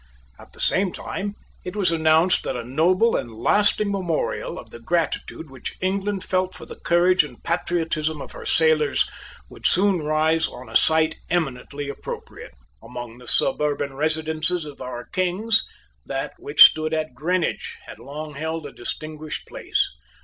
At the same time it was announced that a noble and lasting memorial of the gratitude which England felt for the courage and patriotism of her sailors would soon rise on a site eminently appropriate. Among the suburban residences of our kings, that which stood at Greenwich had long held a distinguished place.